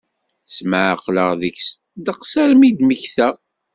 Smeɛqleɣ deg-s ddeqs armi i d-mmektaɣ.